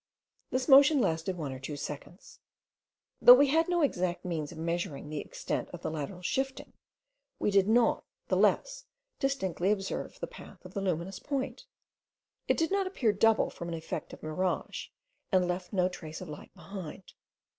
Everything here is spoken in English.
This motion lasted one or two seconds. Though we had no exact means of measuring the extent of the lateral shifting, we did not the less distinctly observe the path of the luminous point. It did not appear double from an effect of mirage, and left no trace of light behind.